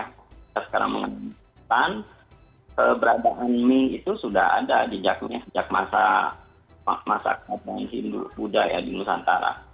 kita sekarang mengenalkan keberadaan mie itu sudah ada jejaknya sejak masa buddha di nusantara